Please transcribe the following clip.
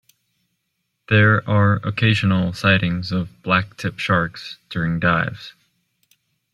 There are occasional sightings of black tip sharks during dives.